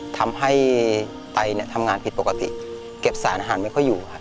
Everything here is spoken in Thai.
ทำให้ไตทำงานผิดปกติเก็บสารอาหารไม่ค่อยอยู่